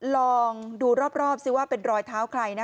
ลองดูรอบซิว่าเป็นรอยเท้าใครนะ